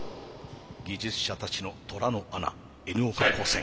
技術者たちの虎の穴Ｎ岡高専。